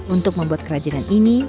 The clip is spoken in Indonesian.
untuk membuat kerajinan ini